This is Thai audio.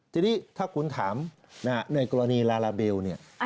จริงถ้าคุณถามในกรณีลาลาเบล